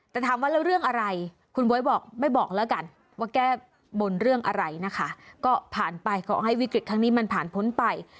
แต่ถามว่าแล้วเรื่องอะไรคุณบ๊วยบอกไม่บอกแล้วกันว่าแก้บนเรื่องอะไรนะคะก็ผ่านไปขอให้วิกฤตครั้งนี้มันผ่านพ้นไป